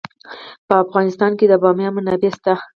په افغانستان کې د بامیان منابع شته.